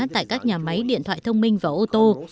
tại các nhà máy điện thoại thông minh và ô tô